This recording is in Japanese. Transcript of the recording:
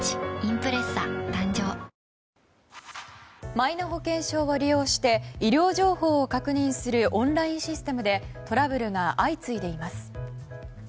マイナ保険証を利用して医療情報を確認するオンラインシステムでトラブルが相次いでいます。